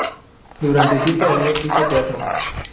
Durante siete años hizo teatro.